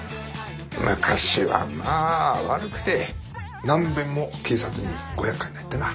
昔はまあ悪くて何べんも警察にごやっかいになってな。